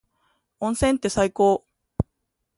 温泉って最高。